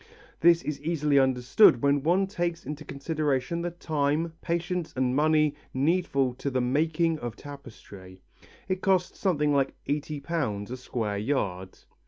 This is easily understood when one takes into consideration the time, patience and money needful to the making of tapestry; it costs something like eighty pounds a square yard.